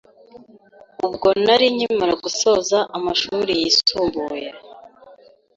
ubwo nari nkimara gusoza amashuri yisumbuye